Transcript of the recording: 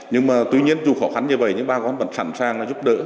nhưng mà tuy nhiên dù khó khăn như vậy nhưng bà con vẫn sẵn sàng là giúp đỡ